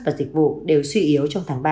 và dịch vụ đều suy yếu trong tháng ba